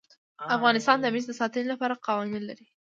افغانستان د مس د ساتنې لپاره قوانین لري.